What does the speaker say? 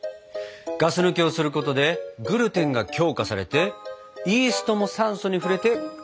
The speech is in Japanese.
ガス抜きをすることでグルテンが強化されてイーストも酸素に触れて活性化するんだ。